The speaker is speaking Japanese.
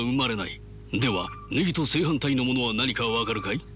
ではネギと正反対のものは何か分かるかい？